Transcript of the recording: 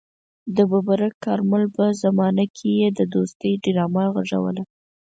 د ببرک کارمل په زمانه کې يې د دوستۍ ډرامه غږوله.